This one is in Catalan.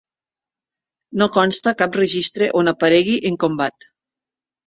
No consta cap registre on aparegui en combat.